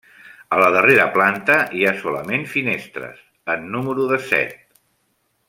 A la darrera planta hi ha solament finestres, en número de set.